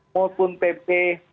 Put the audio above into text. mau pun pp